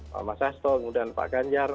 pak mas sastong dan pak ganjar